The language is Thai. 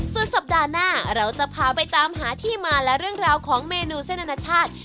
ส่วนสัปดาห์หน้าเราจะพาไปตามหาที่มาและเรื่องราวของเมนูเส้นอนาชาติ